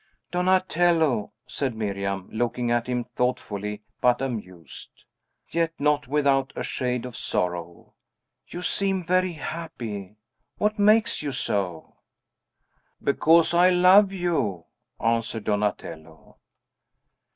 "Donatello," said Miriam, looking at him thoughtfully, but amused, yet not without a shade of sorrow, "you seem very happy; what makes you so?" "Because I love you!" answered Donatello.